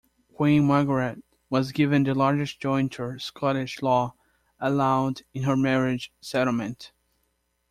Queen Margaret was given the largest jointure Scottish law allowed in her marriage settlement.